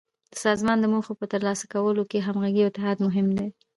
د سازمان د موخو په تر لاسه کولو کې همغږي او اتحاد مهم دي.